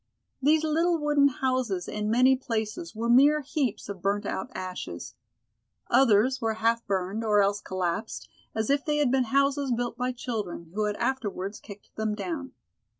These little wooden houses in many places were mere heaps of burnt out ashes. Others were half burned, or else collapsed, as if they had been houses built by children, who had afterwards kicked them down.